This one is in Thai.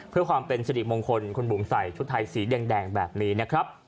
เพื่อความเป็นสิริมงคลคุณบุ๋มใส่ชุดไทยสีแดงแบบนี้นะครับ